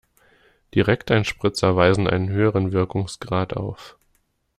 Direkteinspritzer weisen einen höheren Wirkungsgrad auf.